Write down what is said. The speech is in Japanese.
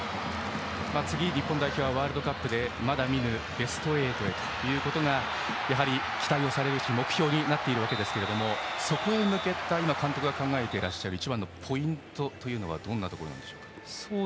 次、日本代表はワールドカップでまだ見ぬベスト８へということがやはり、期待されますし目標になっているわけですがそこへ向けて監督が今考えてらっしゃる一番のポイントはどんなところなんでしょう？